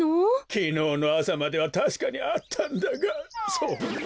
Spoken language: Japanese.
きのうのあさまではたしかにあったんだがそんな。